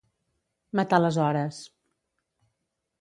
Matar les hores.